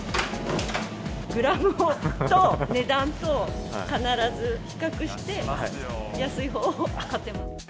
グラムと値段とを必ず比較して、安いほうを買っています。